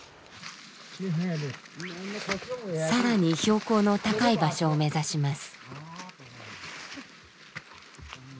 更に標高の高い場所を目指します。